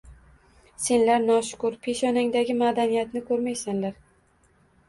Senlar noshukur: peshonangdagi madaniyatni ko‘rmaysanlar